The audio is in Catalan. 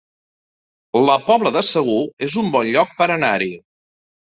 La Pobla de Segur es un bon lloc per anar-hi